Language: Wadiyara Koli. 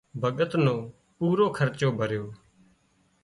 ڀڳت نو پورُو خرچو ڀريو